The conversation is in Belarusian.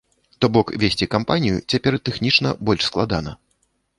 То бок весці кампанію цяпер тэхнічна больш складана.